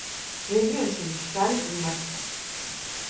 რეგიონში მშრალი კლიმატია.